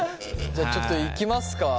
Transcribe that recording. じゃあちょっといきますか？